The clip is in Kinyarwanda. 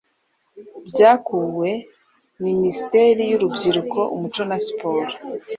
byakuwe: minisiteri y’urubyiruko, umuco na siporo,